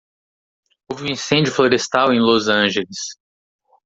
Houve um incêndio florestal em Los Angeles.